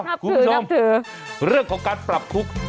นับถือนับถือพี่ชมเรื่องของการปรับคุก